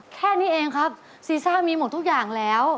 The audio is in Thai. แค่นี้เองครับซีซ่ามีหมดทุกอย่างแล้ว